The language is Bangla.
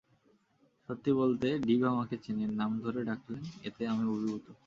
সত্যি বলতে ভিভ আমাকে চেনেন, নাম ধরে ডাকলেন, এতেই আমি অভিভূত।